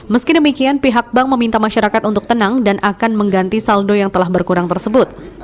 meski demikian pihak bank meminta masyarakat untuk tenang dan akan mengganti saldo yang telah berkurang tersebut